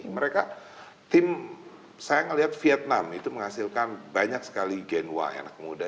mereka tim saya melihat vietnam itu menghasilkan banyak sekali gen y anak muda